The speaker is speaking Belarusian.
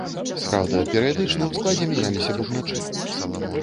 Праўда, перыядычна ў складзе мяняліся бубначы.